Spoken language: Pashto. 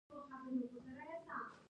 درې ګیلاسه اوبه مې وڅښلې، ډېره تنده مې وه.